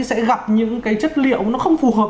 sẽ gặp những cái chất liệu nó không phù hợp